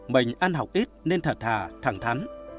mình ăn học ít nên thật thà thẳng thắn